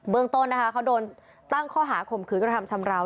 ต้นนะคะเขาโดนตั้งข้อหาข่มขืนกระทำชำราว